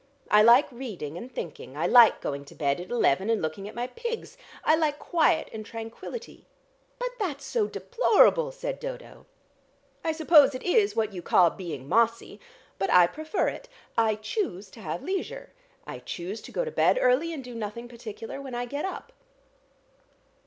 I like reading and thinking, I like going to bed at eleven and looking at my pigs. I like quiet and tranquillity " "But that's so deplorable," said Dodo. "I suppose it is what you call being mossy. But I prefer it. I choose to have leisure. I choose to go to bed early and do nothing particular when I get up."